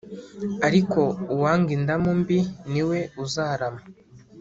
ariko uwanga indamu mbi ni we uzarama